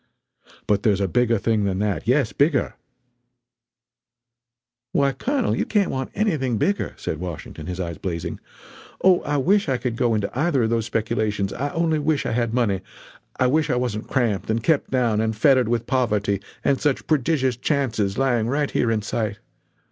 But there's a bigger thing than that, yes bigger " "Why Colonel, you can't want anything bigger!" said Washington, his eyes blazing. "Oh, I wish I could go into either of those speculations I only wish I had money I wish I wasn't cramped and kept down and fettered with poverty, and such prodigious chances lying right here in sight!